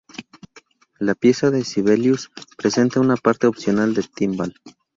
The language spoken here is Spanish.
La pieza de Sibelius presenta una parte opcional de timbal.